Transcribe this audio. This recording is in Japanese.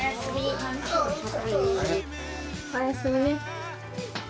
おやすみ。